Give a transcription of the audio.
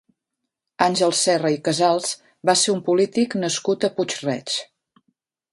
Àngel Serra i Casals va ser un polític nascut a Puig-reig.